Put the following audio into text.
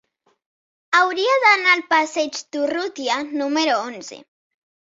Hauria d'anar al passeig d'Urrutia número onze.